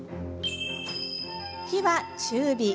火は中火。